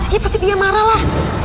ya pasti dia marah lah